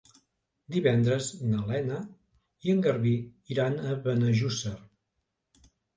Divendres na Lena i en Garbí iran a Benejússer.